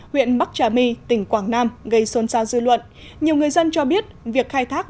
huyện bắc trà my tỉnh quảng nam gây xôn xao dư luận nhiều người dân cho biết việc khai thác